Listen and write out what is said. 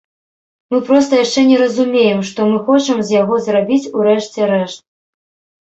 Мы проста яшчэ не разумеем, што мы хочам з яго зрабіць у рэшце рэшт.